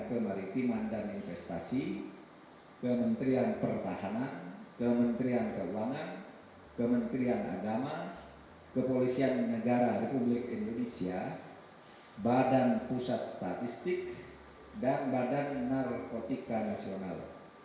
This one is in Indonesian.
kemaritiman dan investasi kementerian pertahanan kementerian keuangan kementerian agama kepolisian negara republik indonesia badan pusat statistik dan badan narkotika nasional